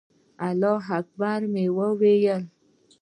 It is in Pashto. الله اکبر به مې وویل.